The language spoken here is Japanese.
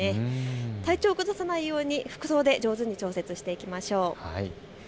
体調を崩さないように服装で上手に調整していきましょう。